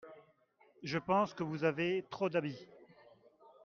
Je pense que vous avez trop d'habits.